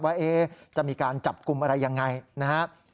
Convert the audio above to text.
ว่าจะมีการจับกลุ่มอะไรยังไงนะครับ